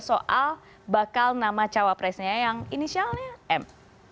soal bakal nama cawapresnya yang inisialnya m